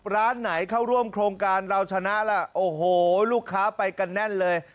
ร้านไหนเข้าร่วมโครงการเราชนะล่ะโอ้โหลูกค้าไปกันแน่นเลย